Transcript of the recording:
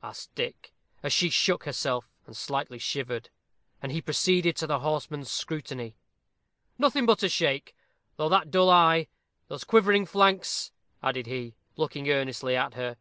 asked Dick, as she shook herself, and slightly shivered. And he proceeded to the horseman's scrutiny. "Nothing but a shake; though that dull eye those quivering flanks " added he, looking earnestly at her.